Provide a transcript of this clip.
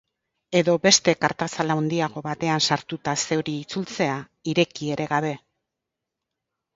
Edo beste kartazal handiago batean sartuta zeuri itzultzea, ireki ere gabe.